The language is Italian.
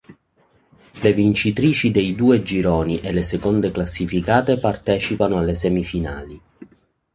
Le vincitrici dei due gironi e le seconde classificate partecipano alle semifinali.